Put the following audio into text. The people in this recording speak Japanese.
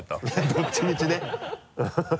どっちみちね